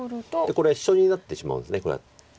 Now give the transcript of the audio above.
これはシチョウになってしまうんですこうやって。